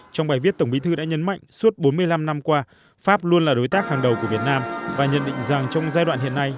trong bài viết tổng bí thư đã nhấn mạnh suốt bốn mươi năm năm qua pháp luôn là đối tác hàng đầu của việt nam và nhận định rằng trong giai đoạn hiện nay